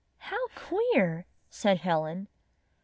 "How queer!" said Helen.